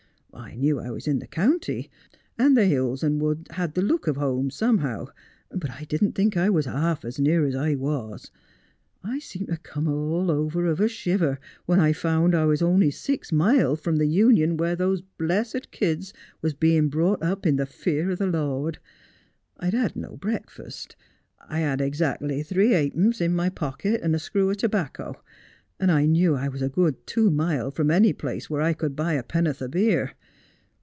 I knew I was in the county, and the hills and woods had the look of home somehow, but I didn't think I was half as near as I was. I seemed to come all over of a shiver when I found I was only six mile from the Union where those blessed kids was being brought up in the fear o' the Lord. I'd had no breakfast. I had ekzackerly three half pence in my pocket, and a screw o' tobacco, and I knew I was a good two mile from any place where I could buy a penn'orth o' beer.